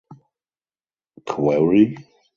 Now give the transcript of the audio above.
Query?